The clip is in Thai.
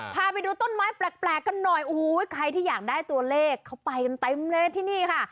พาไปดูต้นไม้แปลกกันหน่อยโอ้โหใครที่อยากได้ตัวเลขเขาไปกันเต็มเลยที่นี่ค่ะ